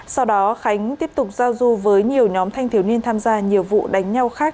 sau đó khánh tiếp tục giao du với nhiều nhóm thanh thiếu niên tham gia nhiều vụ đánh nhau khác